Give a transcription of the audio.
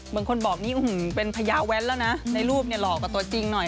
บางคนบอกนี่เป็นพญาแว้นแล้วนะในรูปเนี่ยหล่อกว่าตัวจริงหน่อย